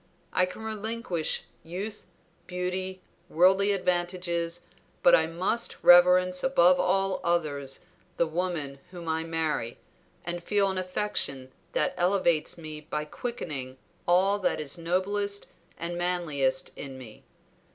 I can relinquish youth, beauty, worldly advantages, but I must reverence above all others the woman whom I marry, and feel an affection that elevates me by quickening all that is noblest and manliest in me.